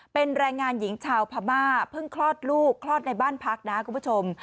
เป็นแรงงานหญิงชาวพม่าเพิ่งคลอดลูกคลอดในบ้านพักนะคุณผู้ชม